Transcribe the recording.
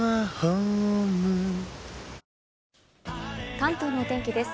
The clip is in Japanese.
関東のお天気です。